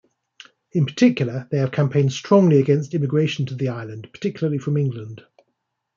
In particular, they have campaigned strongly against immigration to the island, particularly from England.